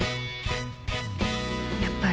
やっぱり。